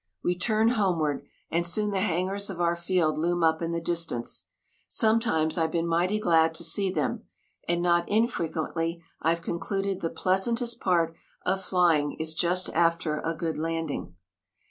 We turn homeward, and soon the hangars of our field loom up in the distance. Sometimes I've been mighty glad to see them and not infrequently I've concluded the pleasantest part of flying is just after a good landing.